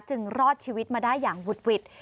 จึงรอดชีวิตมาได้อย่างวุดวิทย์